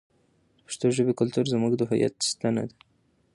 د پښتو ژبې کلتور زموږ د هویت ستنه ده.